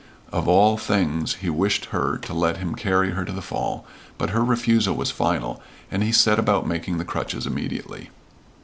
Of all things he wished her to let him carry her to the fall, but her refusal was final, and he set about making the crutches immediately.